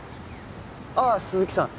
ああ鈴木さん